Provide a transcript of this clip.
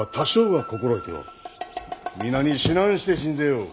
皆に指南して進ぜよう。